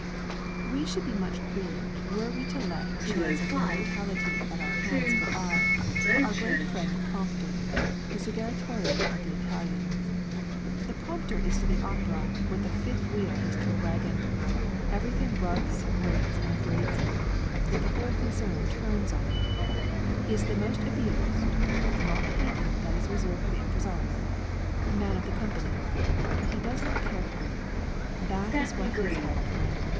We should be much grieved were we to let a chance of immortality at our hands go by, for our great friend the prompter the suggeritore of the Italians. The prompter is to the opera, what the fifth wheel is to a wagon; everything rubs, grates and abrades it, yet the whole concern turns on it. He is the most abused (not hated that is reserved for the Impresario,) man in the company. But he does not care for it. That is what he is hired for.